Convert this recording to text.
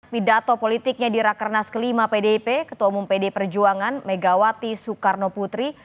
pidato politiknya di rakernas kelima pdip ketua umum pd perjuangan megawati soekarno putri